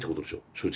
正直。